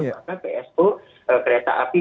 maka psu kereta api